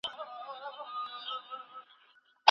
متخصصین په دې اړه بېل نظر لري.